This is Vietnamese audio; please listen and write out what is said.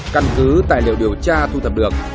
căn cứ tài liệu điều tra thu thập được